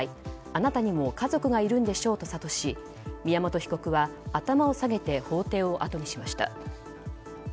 あなたにも家族がいるんでしょうと諭し、宮本被告は頭を下げて法廷をあとにしました。